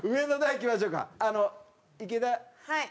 はい。